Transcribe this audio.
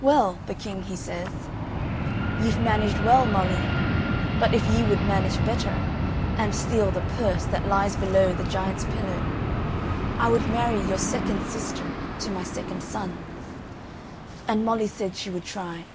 Well, the king he says: "Ye've managed well, Molly; but if ye would manage better, and steal the purse that lies below the giant's pillow, I would marry your second sister to my second son." And Molly said she would try.